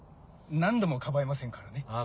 何度もかばえませんからね。